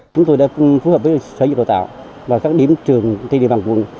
chúng tôi đã phù hợp với sở giáo dục và đào tạo và các điểm trường thị địa bàn quận